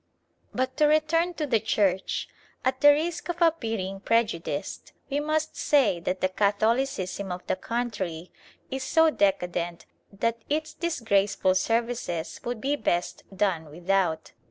But to return to the Church. At the risk of appearing prejudiced, we must say that the Catholicism of the country is so decadent that its disgraceful services would be best done without.